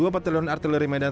dua batalion artileri medan